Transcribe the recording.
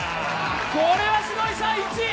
これはすごい差、１位。